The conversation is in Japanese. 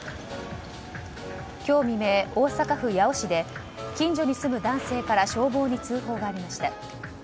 今日未明、大阪府八尾市で近所に住む男性から消防に通報がありました。